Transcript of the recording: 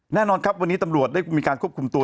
แน่นอนครับวันนี้ตำรวจได้มีการควบคุมตัว